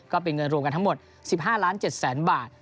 ก็เป็นเงินรวมกันทั้งหมด๑๕ล้าน๗แสนบาท